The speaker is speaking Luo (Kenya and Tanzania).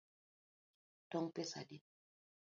Tong’ pesa adi?